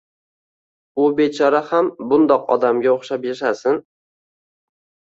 U bechora ham bundoq odamga o`xshab yashasin